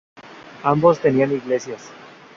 Ambos tenían iglesias.